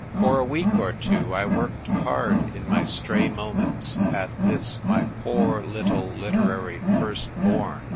For a week or two I worked hard in my stray moments at this my poor little literary first born.